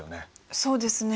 そうですね。